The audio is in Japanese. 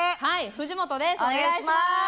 はい藤本です。